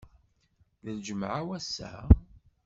D lǧemɛa wass-a?